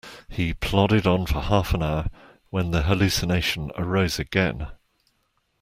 He plodded on for half an hour, when the hallucination arose again.